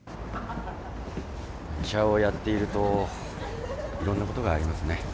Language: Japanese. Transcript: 医者をやっているといろんなことがありますね。